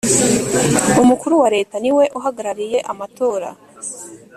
Umukuru wa leta niwe uhagarariye amatora